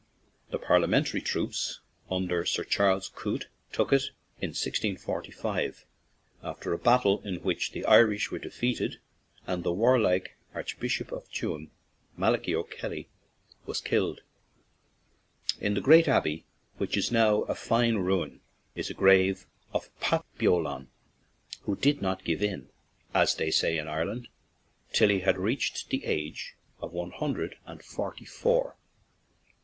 The Parliament ary troops, under Sir Charles Coote, took it in 1645 after a battle in which the Irish were defeated and the warlike Archbishop of Tuam, Malachy 0' Kelly, was killed. In the great abbey, which is now a fine ruin, is the grave of Patrick Beolan, who did not "give in," as they say in Ireland, till he had reached the age of one hun dred and forty four.